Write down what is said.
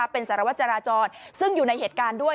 เป็นสารวัตรจราจรซึ่งอยู่ในเหตุการณ์ด้วย